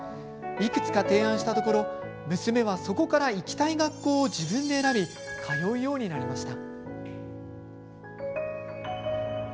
いくつか提案したところ娘は、そこから行きたい学校を自分で選び通うようになりました。